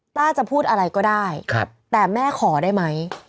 ต้าจะพูดอะไรก็ได้แต่แม่ขอได้ไหม